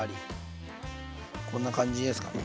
こんな感じですか。